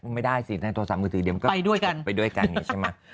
ไม่ได้สิในโทรศัพท์มือถือเดี๋ยวมันก็ไปด้วยกันใช่ไหม